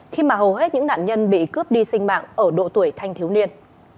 khi mà hầu hết những nạn nhân bị cướp đi sinh mạng ở độ tuổi thanh thiếu niên